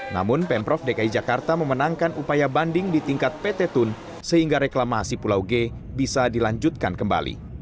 namun pemprov dki jakarta memenangkan upaya banding di tingkat pt tun sehingga reklamasi pulau g bisa dilanjutkan kembali